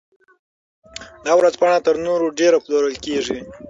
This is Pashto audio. دا ورځپاڼه تر نورو ډېر پلورل کیږي.